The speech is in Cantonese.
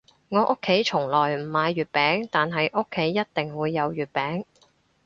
我屋企從來唔買月餅，但係屋企一定會有月餅